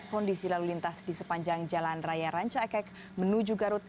kondisi lalu lintas di sepanjang jalan raya rancaekek menuju garut